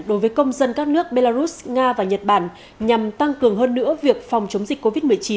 đối với công dân các nước belarus nga và nhật bản nhằm tăng cường hơn nữa việc phòng chống dịch covid một mươi chín